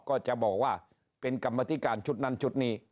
ก็จะบอกว่าเป็นกรรมธิการชุดนั้นชุดนี้